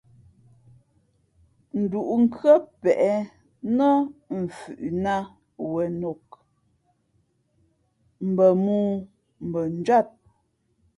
Ndǔʼ nkhʉ́ά pěʼ nά mfhʉʼnāt wenok, mbα mōō mbα njwíat.